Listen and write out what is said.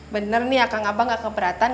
bener nih akang abah gak keberatan ikutin aku